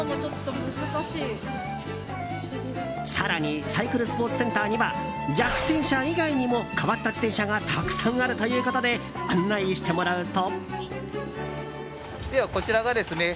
更にサイクルスポーツセンターには逆転車以外にも変わった自転車がたくさんあるということで案内してもらうと。